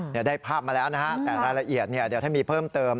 เดี๋ยวได้ภาพมาแล้วนะฮะแต่รายละเอียดเดี๋ยวถ้ามีเพิ่มเติม